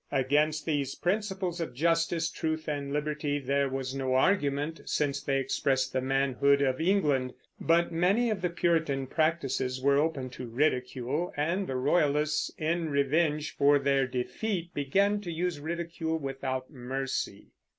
Against these principles of justice, truth, and liberty there was no argument, since they expressed the manhood of England; but many of the Puritan practices were open to ridicule, and the Royalists, in revenge for their defeat, began to use ridicule without mercy.